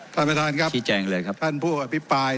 ท่านประธานครับท่านผู้อภิปราย